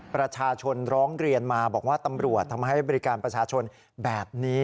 ประชาชนร้องเรียนมาบอกว่าตำรวจทำให้บริการประชาชนแบบนี้